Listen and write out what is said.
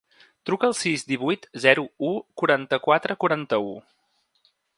Truca al sis, divuit, zero, u, quaranta-quatre, quaranta-u.